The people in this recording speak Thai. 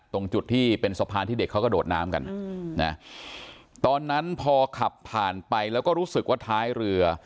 ตรงจุดที่เป็นสะพานที่เด็กเขากระโดดน้ำกันนะตอนนั้นพอขับผ่านไปแล้วก็รู้สึกว่าท้ายเรือ